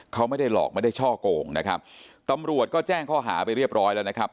เขาไม่ได้หลอกไม่ได้ช่อโกงนะครับตำรวจก็แจ้งข้อหาไปเรียบร้อยแล้วนะครับ